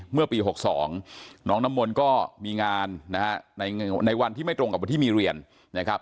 เมื่อปี๖๒น้องน้ำมนต์ก็มีงานนะฮะในวันที่ไม่ตรงกับวันที่มีเรียนนะครับ